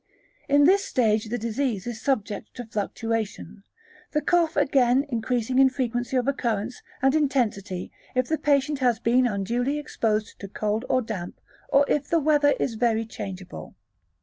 In this stage the disease is subject to fluctuation, the cough again increasing in frequency of occurrence and intensity if the patient has been unduly exposed to cold or damp, or if the weather is very changeable.